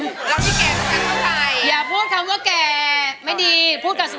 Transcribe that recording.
เงียบมากค่ะเงียบ